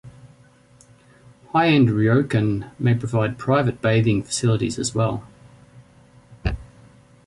High-end ryokan may provide private bathing facilities as well.